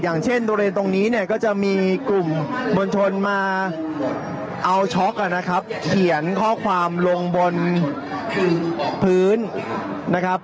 อย่างเช่นบริเวณตรงนี้เนี่ยก็จะมีกลุ่มมวลชนมาเอาช็อกนะครับเขียนข้อความลงบนพื้นนะครับ